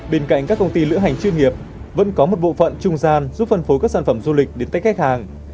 bên cạnh các công ty lữ hành chuyên nghiệp vẫn có một bộ phận trung gian giúp phân phối các sản phẩm du lịch đến tết khách hàng